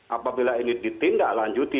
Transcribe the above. apabila ini ditinggalkan lanjuti